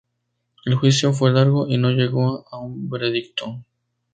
El juicio fue largo y no llegó a un veredicto.